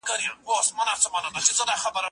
زه اوس واښه راوړم.